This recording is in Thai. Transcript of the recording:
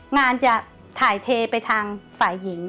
งานจะถ่ายเทไปทางฝ่ายหญิง